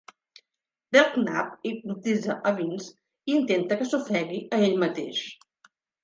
Belknap hipnotitza a Vince i intenta que s'ofegui a ell mateix.